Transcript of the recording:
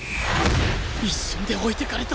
一瞬で置いていかれた！